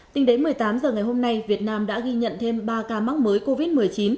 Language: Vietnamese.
tính đến một mươi tám h ngày hôm nay việt nam đã ghi nhận thêm ba ca mắc mới covid một mươi chín